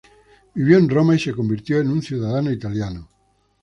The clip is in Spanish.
Vivió en Roma, y se convirtió en un ciudadano italiano.